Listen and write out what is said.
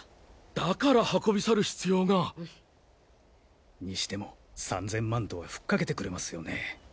だから運び去る必要が！にしても３千万とはフッかけてくれますよね。